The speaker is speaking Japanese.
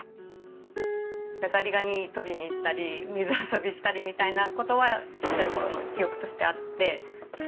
ザリガニ捕りに行ったり水遊びしたりみたいな事はちっちゃい頃の記憶としてあって。